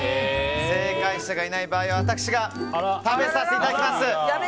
正解者がいない場合は私が食べさせていただきます。